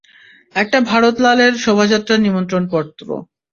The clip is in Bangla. এটা ভারত লালের শোভাযাত্রার নিমন্ত্রণ পত্র।